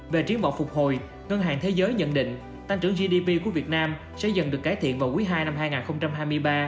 về triến vọng phục hồi ngân hàng thế giới nhận định tăng trưởng gdp của việt nam sẽ dần được cải thiện vào quý ii năm hai nghìn hai mươi ba